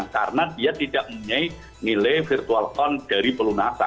karena dia tidak punya nilai virtual on dari pelunasa